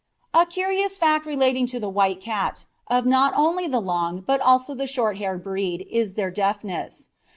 A curious fact relating to the white cat of not only the long but also the short haired breed is their deafness.